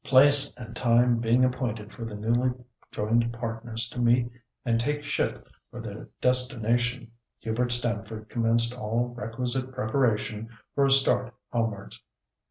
Place and time being appointed for the newly joined partners to meet and take ship for their destination, Hubert Stamford commenced all requisite preparation for a start homewards.